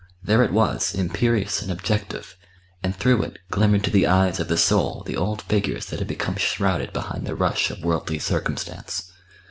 There it was, imperious and objective, and through it glimmered to the eyes of the soul the old Figures that had become shrouded behind the rush of worldly circumstance.